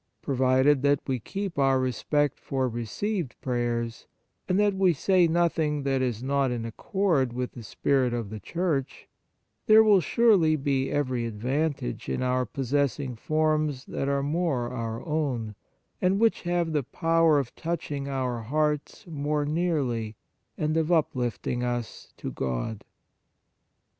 Provided that we keep our respect for received prayers, and that we say nothing that is not in accord with the spirit of the Church, there will surely be every advantage in our possessing forms that are more our own, and which have the power of touching our hearts morej nearly, and of uplifting us to God.